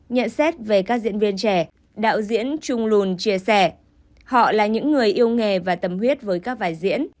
nhận xét về các diễn viên trẻ đạo diễn trung lùn chia sẻ họ là những người yêu nghề và tâm huyết với các vai diễn